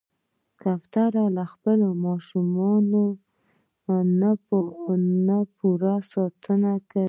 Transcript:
کوتره له خپلو ماشومانو نه پوره ساتنه کوي.